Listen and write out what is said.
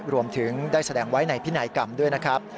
รวมถึงได้แสดงไว้ในพินัยกรรมด้วยนะครับ